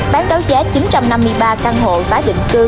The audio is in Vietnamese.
bán đấu giá chín trăm năm mươi ba căn hộ tái định cư